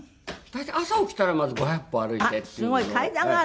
大体朝起きたらまず５００歩歩いてっていうのを。